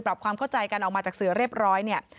ความเข้าใจกันออกมาจากเสือเรียบร้อยเนี่ย